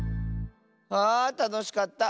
あたのしかった。